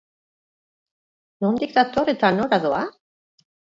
Nondik dator eta nora doa?